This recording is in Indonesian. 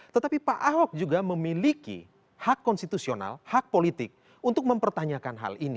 tetapi pak ahok juga memiliki hak konstitusional hak politik untuk mempertanyakan hal ini